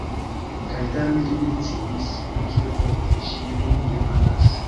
Kaj tamen li ne sciis, pri kio propre ŝi lin demandas.